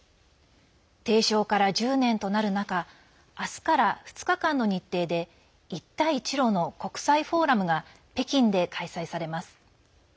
提唱から１０年となる中明日から２日間の日程で一帯一路の国際フォーラムが北京で開催されます。